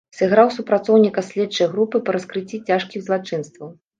Сыграў супрацоўніка следчай групы па раскрыцці цяжкіх злачынстваў.